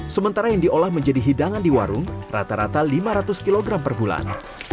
sementara yang diolah menjadi hidangan di warung rata rata lima ratus kg per bulan